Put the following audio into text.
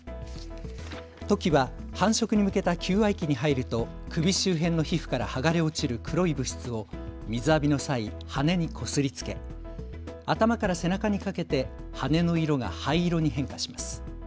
トキは繁殖に向けた求愛期に入ると首周辺の皮膚から剥がれ落ちる黒い物質を水浴びの際、羽にこすりつけ頭から背中にかけて羽の色が灰色に変化します。